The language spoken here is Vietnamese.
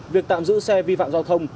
việc tạm giữ xe vi phạm giao thông